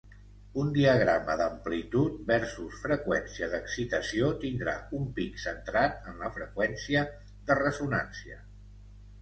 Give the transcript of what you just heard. Un diagrama d'amplitud versus freqüència d'excitació tindrà un pic centrat en la freqüència de ressonància.